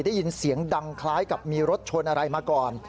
ได้ยินเสียงดังคล้ายกับมีรถชนอะไรมาก่อน